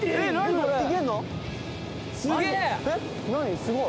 すごい。